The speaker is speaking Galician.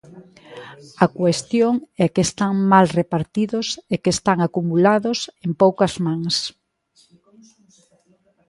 A cuestión é que están mal repartidos e que están acumulados en poucas mans.